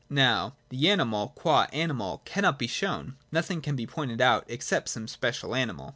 Now, the animal, qua animal, cannot be shown ; nothing can be pointed out excepting some special animal.